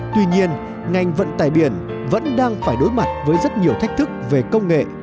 tuy nhiên ngành vận tải biển vẫn đang phải đối mặt với rất nhiều thách thức về công nghệ